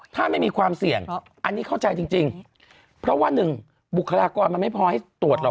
ถ้าไม่มีความเสี่ยงอันนี้เข้าใจจริงเพราะว่าหนึ่งบุคลากรมันไม่พอให้ตรวจหรอก